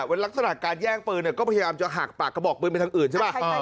ลักษณะการแย่งปืนก็พยายามจะหักปากกระบอกปืนไปทางอื่นใช่ป่ะ